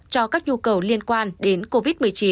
cho các nhu cầu liên quan đến covid một mươi chín